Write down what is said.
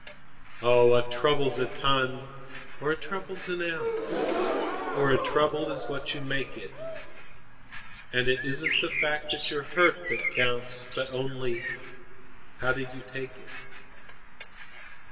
5Oh, a trouble's a ton, or a trouble's an ounce,6 Or a trouble is what you make it,7And it isn't the fact that you're hurt that counts,8 But only how did you take it?